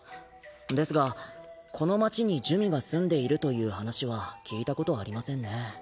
ですがこの町に珠魅が住んでいるという話は聞いたことありませんね。